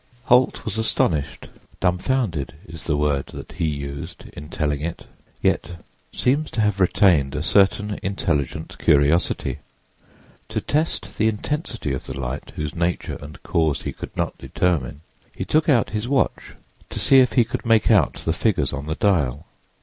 Holt was astonished—"dumfounded" is the word that he used in telling it—yet seems to have retained a certain intelligent curiosity. To test the intensity of the light whose nature and cause he could not determine, he took out his watch to see if he could make out the figures on the dial.